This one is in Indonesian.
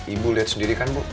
ibu lihat sendiri kan bu